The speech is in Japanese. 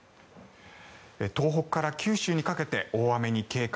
東北から九州にかけて大雨に警戒。